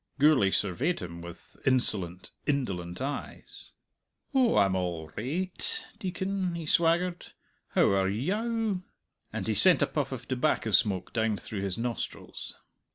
Gourlay surveyed him with insolent, indolent eyes. "Oh, I'm all rai ight, Deacon," he swaggered; "how are ye ow?" and he sent a puff of tobacco smoke down through his nostrils.